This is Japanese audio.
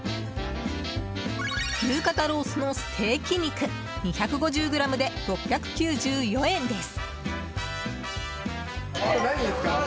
牛肩ロースのステーキ肉２５０ｇで６９４円です。